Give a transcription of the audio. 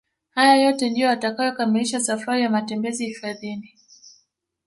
Haya yote ndio yatakayokamilisha safari ya matembezi hifadhini